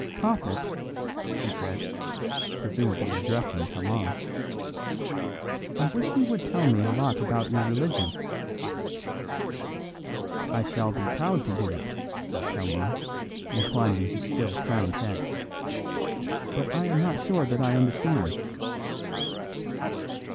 "Prophet," he said, presumably addressing Kalon, "I wish you would tell me a lot about your religion." "I shall be proud to do it," said Kalon, inclining his still crowned head, "but I am not sure that I understand."